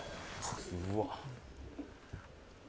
うわ。